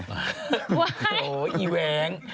โอ้ยไอ้แหวง